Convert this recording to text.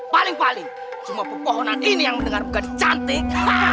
paling paling cuma pepohonan ini yang mendengar bukan cantik